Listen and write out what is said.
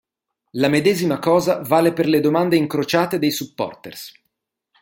La medesima cosa vale per le domande incrociate dei supporters.